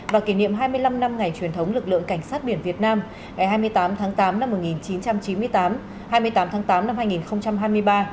và kỷ niệm hai mươi năm năm ngày truyền thống lực lượng cảnh sát biển việt nam ngày hai mươi tám tháng tám năm một nghìn chín trăm chín mươi tám hai mươi tám tháng tám năm hai nghìn hai mươi ba